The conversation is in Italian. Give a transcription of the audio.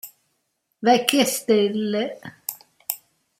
Vecchie Stelle".